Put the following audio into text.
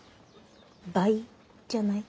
「倍」じゃない？